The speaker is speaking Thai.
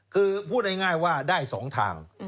คือพูดง่ายว่าได้๒ทาง